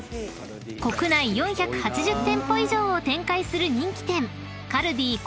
［国内４８０店舗以上を展開する人気店］